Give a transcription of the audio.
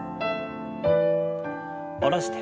下ろして。